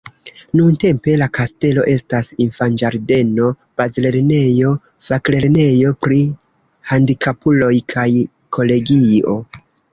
Nuntempe la kastelo estas infanĝardeno, bazlernejo, faklernejo pri handikapuloj kaj kolegio.